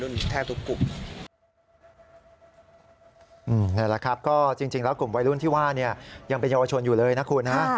แล้วกลุ่มวัยรุ่นที่ว่ายังเป็นเยาวชนอยู่เลยนะครูนะ